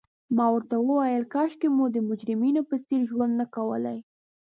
ما ورته وویل: کاشکي مو د مجرمینو په څېر ژوند نه کولای.